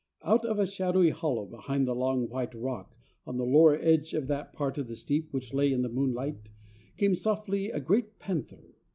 Out of a shadowy hollow behind a long white rock, on the lower edge of that part of the steep which lay in the moonlight, came softly a great panther.